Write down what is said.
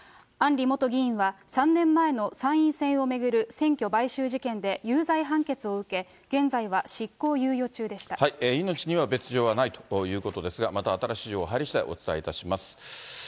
案里元議員は、３年前の参院選を巡る選挙買収事件で有罪判決を受け、命には別条はないということですが、また新しい情報入りしだい、お伝えいたします。